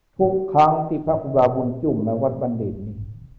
ทุกครั้งที่พระอุบาวุญจุมมาวัดบรรเดหนุน